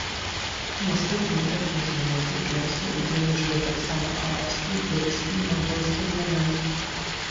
У наступным этнагенезе персаў удзельнічалі таксама арабскія, цюркскія і мангольскія плямёны.